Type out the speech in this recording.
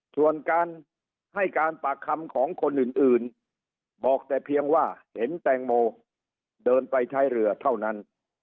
ส่วนการให้การปากคำของคนอื่นบอกแต่เพียงว่าเห็นแตงโมเดินไปท้ายเรือเท่านั้น